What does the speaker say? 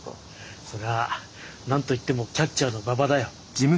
それは何と言ってもキャッチャーの馬場だよ。